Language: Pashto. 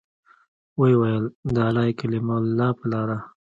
ويې ويل د اعلاى کلمة الله په لاره.